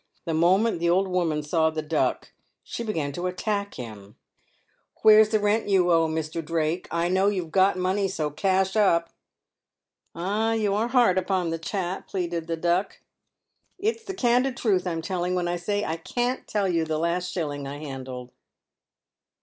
The moment the old woman saw the Duck she began to attack him. " Where's the rent you owe me, Mr. Drake ? I know you've got money, so cash up." "Ah, you are hard upon a chap," pleaded the Duck. "It's the candid truth I'm telling, when I say, I can't tell you the last shilling I handled."